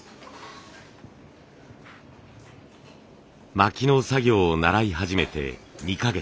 巻きの作業を習い始めて２か月。